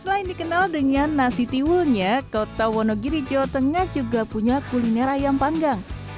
selain dikenal dengan nasi tiwulnya kota wonogiri jawa tengah juga punya kuliner ayam panggang